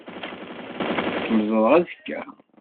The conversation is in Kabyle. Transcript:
Ad kem-ẓṛeɣ azekka.